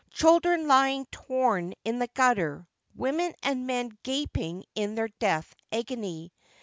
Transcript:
Children lying torn in the gutter, women and men gaping in their death agony.